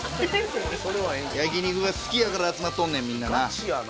焼肉が好きやから集まっとんねんみんなな。